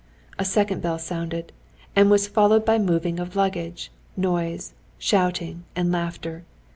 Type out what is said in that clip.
A second bell sounded, and was followed by moving of luggage, noise, shouting and laughter.